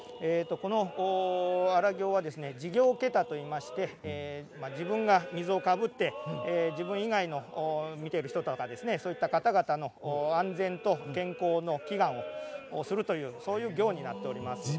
この荒行は自分が水をかぶって自分以外の見ている人とかのそういった方々の安全と健康の祈願をするというそういう行になっております。